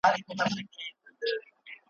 هر شعر باید پیغام ولري `